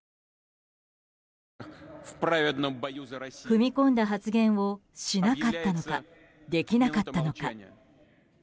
踏み込んだ発言をしなかったのかできなかったのか。